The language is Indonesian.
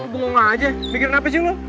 bingung aja mikirin apa sih lo